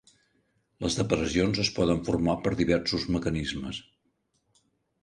Les depressions es poden formar per diversos mecanismes.